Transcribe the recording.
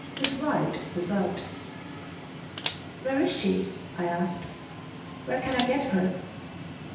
Miss White was out. "Where is she?" I asked. "Where can I get her?"